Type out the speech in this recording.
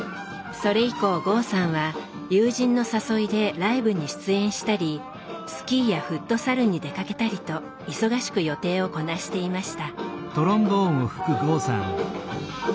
それ以降剛さんは友人の誘いでライブに出演したりスキーやフットサルに出かけたりと忙しく予定をこなしていました。